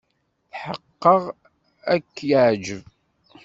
Tḥeqqeɣ ad ak-yeɛjeb.